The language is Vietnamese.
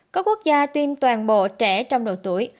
có quốc gia tiêm toàn bộ trẻ trong đầu tuổi